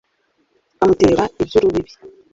amutera iby’urubibi